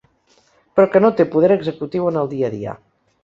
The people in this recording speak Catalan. Però que no té poder executiu en el dia a dia.